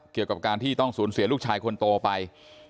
เกี่ยวกับการที่ต้องสูญเสียลูกชายคนโตไป